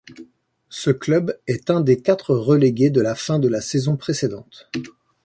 Ce club était un des quatre relégués de la fin de la saison précédente.